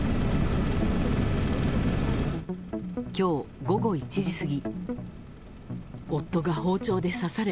今日午後１時過ぎ。